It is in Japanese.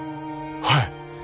はい。